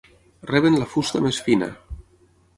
Reben la fusta més fina.